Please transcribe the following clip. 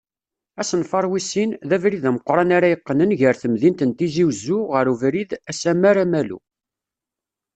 Asenfar wis sin, d abrid ameqqran ara yeqqnen gar temdint n Tizi Uzzu ɣar ubrid Asammar-Amalu.